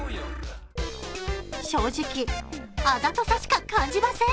正直、あざとさしか感じません。